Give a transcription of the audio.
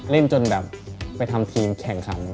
เล่นจนแบบไปทำทีมแข่งขัน